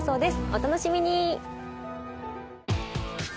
お楽しみに。